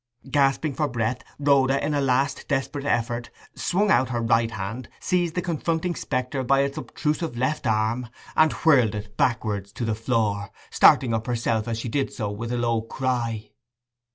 Gasping for breath, Rhoda, in a last desperate effort, swung out her right hand, seized the confronting spectre by its obtrusive left arm, and whirled it backward to the floor, starting up herself as she did so with a low cry.